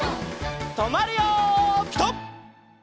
とまるよピタ！